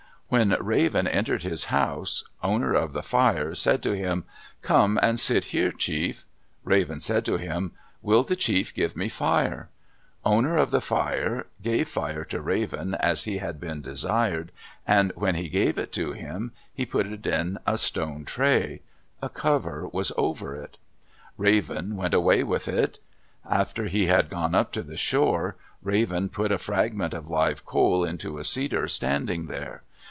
When Raven entered his house, Owner of the Fire said to him, "Come and sit here, chief." Raven said, to him, "Will the chief give me fire?" Owner of the Fire gave fire to Raven, as he had been desired, and when he gave it to him, he put it in a stone tray. A cover was over it. Raven went away with it. After he had gone up to the shore, Raven put a fragment of live coal into a cedar standing there.